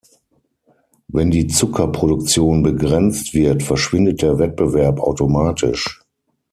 Wenn die Zuckerproduktion begrenzt wird, verschwindet der Wettbewerb automatisch.